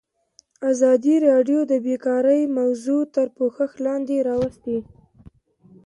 ازادي راډیو د بیکاري موضوع تر پوښښ لاندې راوستې.